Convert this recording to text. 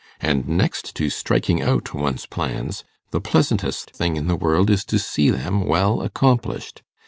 And next to striking out one's plans, the pleasantest thing in the world is to see them well accomplished.